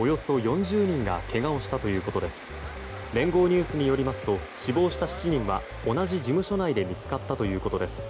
ニュースによりますと死亡した７人は同じ事務所内で見つかったということです。